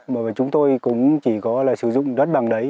mà chúng tôi cũng chỉ có là sử dụng đất bằng đấy